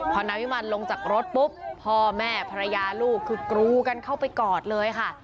พอนายวิมันลงจากรถปุ๊บพ่อแม่ภรรยาลูกคือกรูกันเข้าไปกอดเลยค่ะ